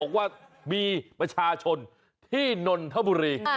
บอกว่ามีประชาชนที่นนทบุรี